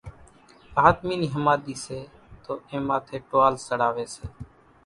آۮمي نِي ۿماۮِي سي تو اين ماٿيَ ٽوال سڙاوي سي